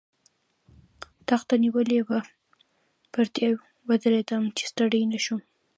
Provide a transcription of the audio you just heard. تخته نیولې وه، پر دې وېرېدم، چې ستړی نه شم.